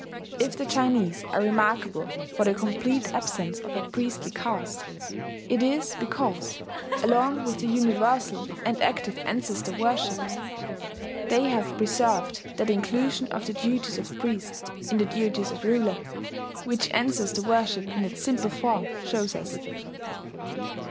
if the Chinese are remarkable for the complete absence of a priestly caste, it is because, along with their universal and active ancestor worship, they have preserved that inclusion of the duties of priest in the duties of ruler, which ancestor worship in its simple form shows us."